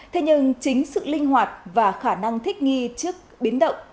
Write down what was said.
thế nhưng chính sự linh hoạt và khả năng thích nghi trước biến động